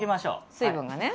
水分がね。